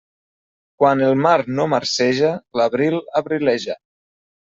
Quan el mar no marceja, l'abril abrileja.